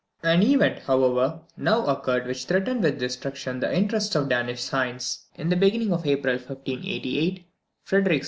An event, however, now occurred which threatened with destruction the interests of Danish science. In the beginning of April 1588, Frederick II.